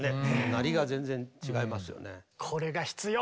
鳴りが全然違いますよね。